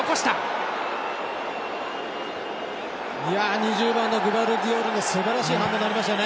２０番のグバルディオルのすばらしい反応ありましたよね。